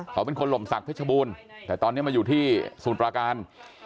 เขาเป็นคนหล่มศักดิชบูรณ์แต่ตอนนี้มาอยู่ที่สมุทรปราการ